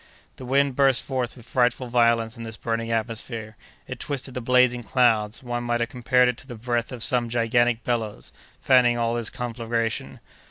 The wind burst forth with frightful violence in this burning atmosphere; it twisted the blazing clouds; one might have compared it to the breath of some gigantic bellows, fanning all this conflagration.